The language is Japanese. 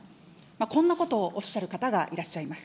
こんなことをおっしゃる方がいらっしゃいます。